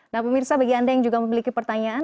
nah pemirsa bagi anda yang juga memiliki pertanyaan